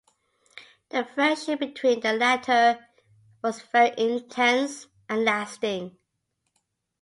The friendship between the latter was very intense and lasting.